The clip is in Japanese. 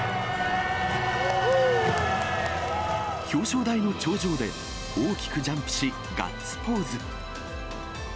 表彰台の頂上で大きくジャンプし、ガッツポーズ。